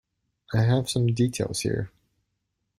I have some details here.